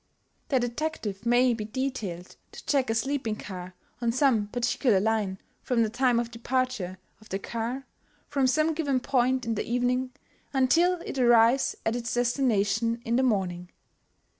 The detective may be detailed to check a sleeping car on some particular line from the time of departure of the car from some given point in the evening until it arrives at its destination in the morning.